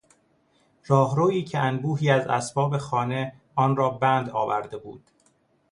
راهرویی که انبوهی از اسباب خانه آن را بند آورده بود